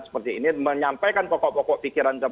seperti ini menyampaikan pokok pokok pikiran